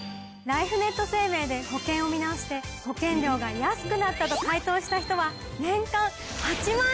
ライフネット生命で保険を見直して保険料が安くなったと回答した人は。